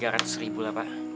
tiga ratus ribu lah pak